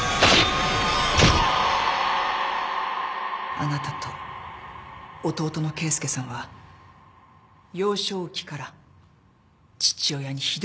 あなたと弟の啓介さんは幼少期から父親にひどい虐待を受けていた。